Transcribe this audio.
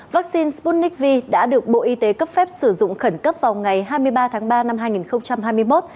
vaccine sputnik v đã được bộ y tế cấp phép sử dụng khẩn cấp vào ngày hai mươi ba tháng ba năm hai nghìn hai mươi một